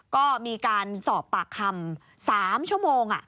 ก็มีการสอบปากคำ๓ชั่วโมง